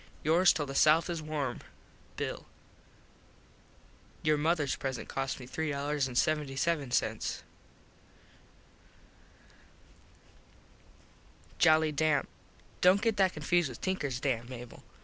yours till the south is warm, Bill. Your mothers present cost me three seventy seven ($3.77). Joli Dame: Dont get that confused with Tinkers Dam, Mable.